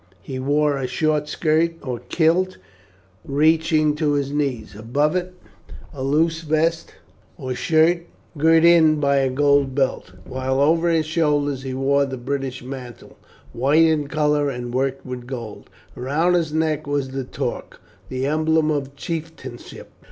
He wore a short skirt or kilt reaching to his knees. Above it a loose vest or shirt, girt in by a gold belt, while over his shoulders he wore the British mantle, white in colour and worked with gold. Around his neck was the torque, the emblem of chieftainship.